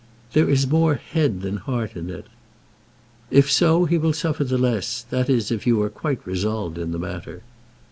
"There is more head than heart in it." "If so, he will suffer the less; that is, if you are quite resolved in the matter."